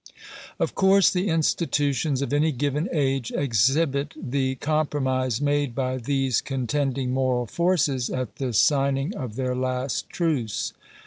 Of course the institutions of any given age exhibit the com promise made by these contending moral forces at the signing of their last truce.